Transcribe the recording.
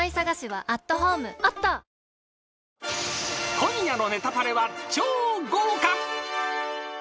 ［今夜の『ネタパレ』は超豪華］